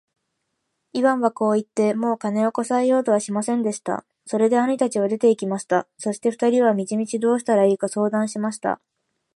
イワンはこう言って、もう金をこさえようとはしませんでした。それで兄たちは出て行きました。そして二人は道々どうしたらいいか相談しました。